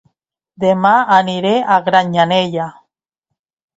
Dema aniré a Granyanella